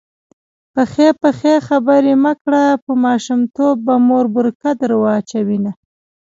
پخې پخې خبرې مه کړه_ په ماشومتوب به مور بورکه در واچوینه